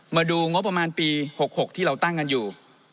มาดูงบประมาณปี๖๖ที่เราตั้งกันอยู่